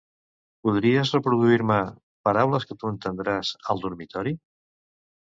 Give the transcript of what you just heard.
Podries reproduir-me "Paraules que tu entendràs" al dormitori?